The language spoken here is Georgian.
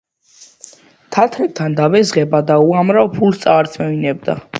თათრებთან დააბეზღებდა და უამრავ ფულს წაართმევინებდა.